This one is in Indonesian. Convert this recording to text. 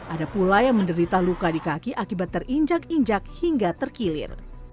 ada pula yang menderita luka di kaki akibat terinjak injak hingga terkilir